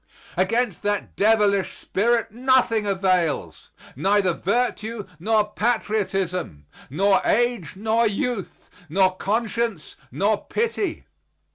Against that devilish spirit nothing avails, neither virtue nor patriotism, nor age nor youth, nor conscience nor pity.